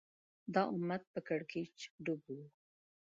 دا امت په کړکېچ ډوب و